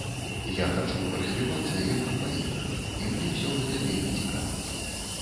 Я хачу развівацца як кампазітар, і мне ўсё гэта вельмі цікава.